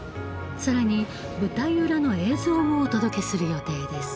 更に舞台裏の映像もお届けする予定です。